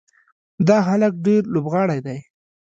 دا هلک ډېر لوبغاړی دی.